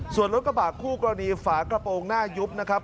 ส่วนรถกระบะคู่กรณีฝากระโปรงหน้ายุบนะครับ